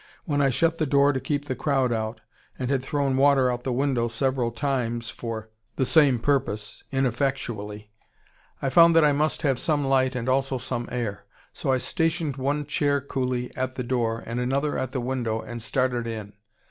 When I shut the door to keep the crowd out, and had thrown water out the window several times for the same purpose, ineffectually, I found that I must have some light and also some air; so I stationed one chair coolie at the door and another at the window, and started in.